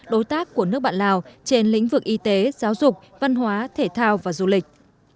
đối tác của nước bạn lào trên lĩnh vực y tế giáo dục văn hóa thể thao và du lịch